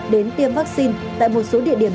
đến tiêm vaccine tại một số địa điểm